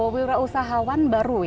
wira usahawan baru ya